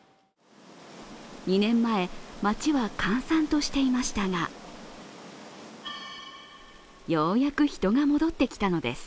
２年前、街は閑散としていましたがようやく人が戻ってきたのです。